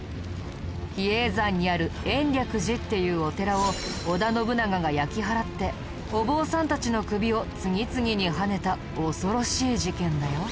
比叡山にある延暦寺っていうお寺を織田信長が焼き払ってお坊さんたちの首を次々にはねた恐ろしい事件だよ。